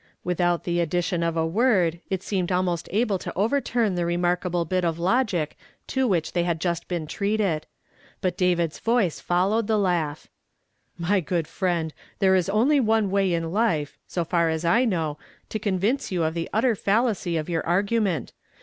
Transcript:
AVithout the addition of a word, it seemed almost able to overturn the remarkable bit of logic to which they had just b <;• treated. But David's voice followed the laugh. " ^ly good friend, there is only one way in life, so far as I know, to convince you of the utter fal lacy of your argument.